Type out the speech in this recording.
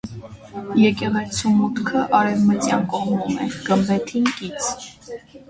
Եկեղեցու մուտքը արևմտյան կողմում է՝ գմբեթին կից։